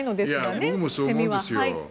僕もそう思うんですよ。